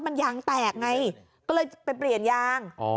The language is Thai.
มันยางแตกไงก็เลยไปเปลี่ยนยาง